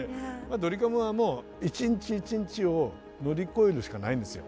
ドリカムはもう一日一日を乗り越えるしかないんですよ。